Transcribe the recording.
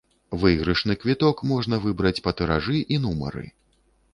Выйгрышны квіток можна выбраць па тыражы і нумары.